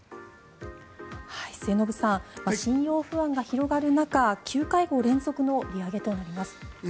末延さん、信用不安が広がる中９会合連続の利上げとなります。